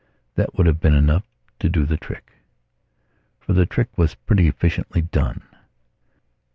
That would have been enough to do the trick. For the trick was pretty efficiently done.